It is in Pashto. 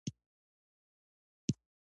دا توپیر طبیعي دی.